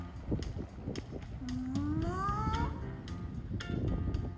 もも？